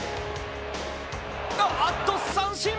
あーっと、三振！